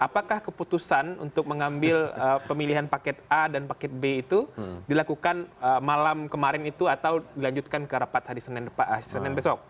apakah keputusan untuk mengambil pemilihan paket a dan paket b itu dilakukan malam kemarin itu atau dilanjutkan ke rapat hari senin besok